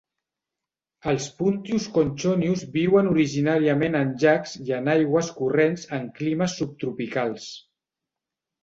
Els Puntius conchonius viuen originàriament en llacs i en aigües corrents en climes subtropicals.